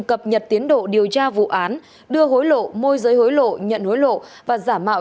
cập nhật tiến độ điều tra vụ án đưa hối lộ môi giới hối lộ nhận hối lộ và giả mạo